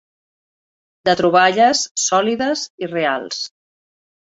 De troballes sòlides i reals.